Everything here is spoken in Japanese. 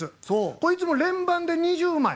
これいつも連番で２０枚。